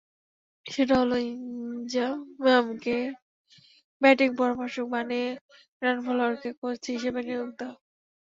সেটা হলো ইনজামামকে ব্যাটিং পরামর্শক বানিয়ে গ্র্যান্ট ফ্লাওয়ারকে কোচ হিসেবে নিয়োগ দেওয়া।